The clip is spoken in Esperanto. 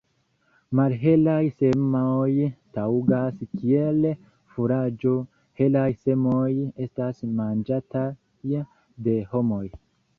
Malhelaj semoj taŭgas kiel furaĝo, helaj semoj estas manĝataj de homoj.